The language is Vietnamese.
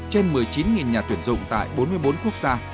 trên một mươi chín nhà tuyển dụng tại bốn mươi bốn quốc gia